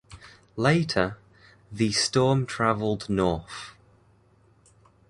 Later, the storm traveled north.